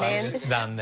「残念」。